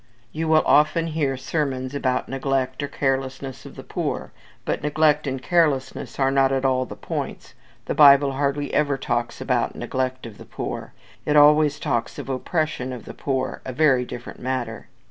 You will often hear sermons about neglect or carelessness of the poor. But neglect and carelessness are not at all the points. The Bible hardly ever talks about neglect of the poor. It always talks of oppression of the poor a very different matter.